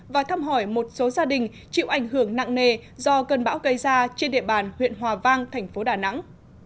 và thăm hỏi một số gia đình chịu ảnh hưởng nặng nề do cơn bão gây ra trên địa bàn huyện hòa vang thành phố đà nẵng